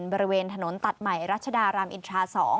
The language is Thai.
บริเวณถนนตัดใหม่รัชดารามอินทรา๒